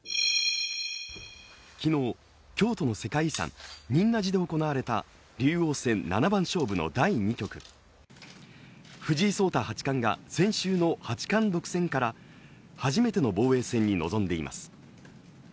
昨日、京都の世界遺産仁和寺で行われた竜王戦七番勝負の第２局藤井聡太八冠が先週の八冠独占から初めての防衛戦に臨んでいます。